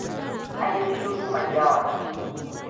An yi shiru mai yawa.